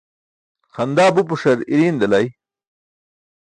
Xandaa bupuśar irii̇ṅ delay.